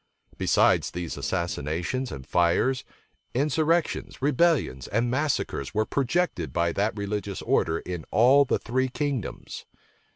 Besides these assassinations and fires, insurrections, rebellions, and massacres were projected by that religious order in all the three kingdoms.